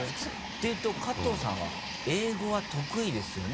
ていうと加藤さんは英語は得意ですよね？